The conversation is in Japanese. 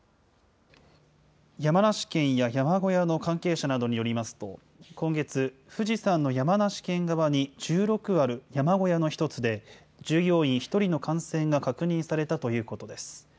山梨県や山小屋の関係者などによりますと、今月、富士山の山梨県側に１６ある山小屋の１つで、従業員１人の感染が確認されたということです。